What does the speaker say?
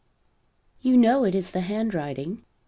You know it is the handwriting.